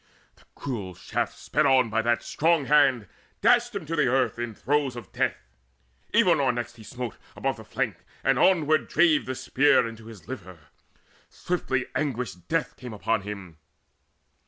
The cruel shaft, Sped on by that strong hand, dashed him to earth In throes of death. Evenor next he smote Above the flank, and onward drave the spear Into his liver: swiftly anguished death Came upon him.